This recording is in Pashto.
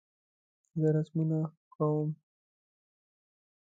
زه رسمونه کوم